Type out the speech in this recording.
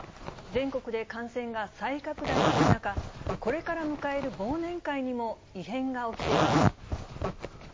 全国で感染が再拡大する中、これから迎える忘年会にも異変が起きています。